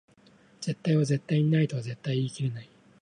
絶対は絶対にないとは絶対言い切れない